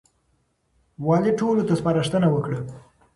والي ټولو ته سپارښتنه وکړه.